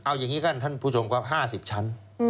เอาอย่างนี้กันท่านผู้ชมครับ๕๐ชั้น